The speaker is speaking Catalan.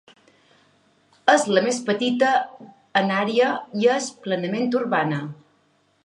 És la més petita en àrea i és plenament urbana.